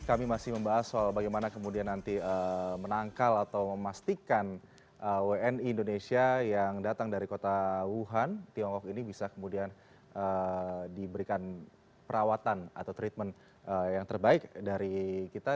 kami masih membahas soal bagaimana kemudian nanti menangkal atau memastikan wni indonesia yang datang dari kota wuhan tiongkok ini bisa kemudian diberikan perawatan atau treatment yang terbaik dari kita